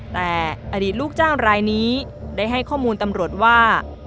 แต่อดีตลูกจ้างรายนี้ได้ให้ข้อมูลตำรวจว่า